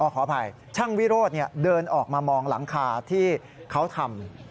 ขออภัยช่างวิโรธเดินออกมามองหลังคาที่เขาทำ